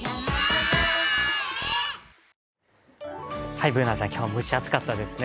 Ｂｏｏｎａちゃん、今日は蒸し暑かったですね。